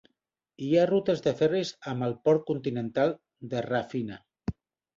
Hi ha rutes de ferris amb el port continental de Rafina.